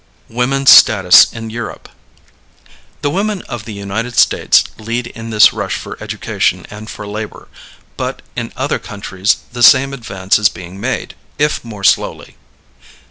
WOMAN'S STATUS IN EUROPE. The women of the United States lead in this rush for education and for labor, but in other countries the same advance is being made, if more slowly.